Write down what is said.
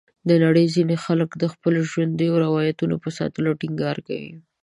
د نړۍ ځینې خلک د خپلو ژوندیو روایتونو په ساتلو ټینګار کوي.